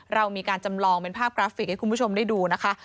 เรามีการจำลองเป็นภาพกราฟิกให้คุณผู้ชมได้ดูนะคะ